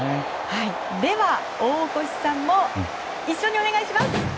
では、大越さんも一緒にお願いします。